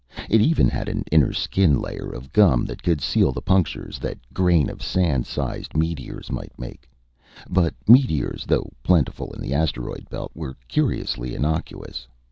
It even had an inter skin layer of gum that could seal the punctures that grain of sand sized meteors might make. But meteors, though plentiful in the asteroid belt, were curiously innocuous.